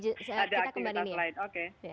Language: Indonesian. ada aktivitas lain oke